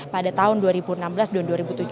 pada tahun dua ribu enam belas dan dua ribu tujuh belas